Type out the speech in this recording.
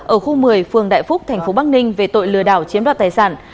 ở khu một mươi phường đại phúc thành phố bắc ninh về tội lừa đảo chiếm đoạt tài sản